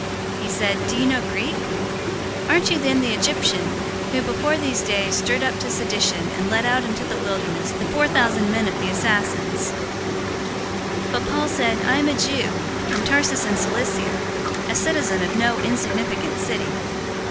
He said, "Do you know Greek? 021:038 Aren't you then the Egyptian, who before these days stirred up to sedition and led out into the wilderness the four thousand men of the Assassins?" 021:039 But Paul said, "I am a Jew, from Tarsus in Cilicia, a citizen of no insignificant city.